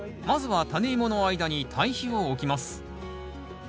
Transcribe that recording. まずはタネイモの間に堆肥を置きます。